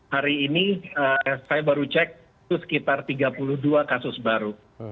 hari ini saya baru cek itu sekitar tiga puluh dua kasus baru